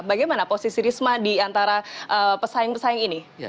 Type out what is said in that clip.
bagaimana posisi risma di antara pesaing pesaing ini